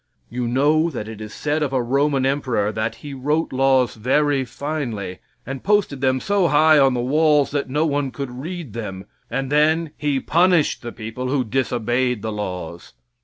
You know that it is said of a Roman emperor that he wrote laws very finely, and posted them so high on the walls that no one could read them, and then he punished the people who disobeyed the laws.